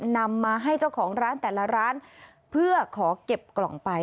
นำมาให้เจ้าของร้านแต่ละร้านเพื่อขอเก็บกล่องไป